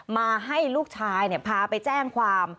มาให้ลูกชายพาไปแจ้งความ